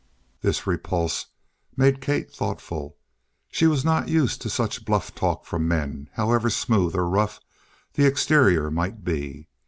This repulse made Kate thoughtful. She was not used to such bluff talk from men, however smooth or rough the exterior might be.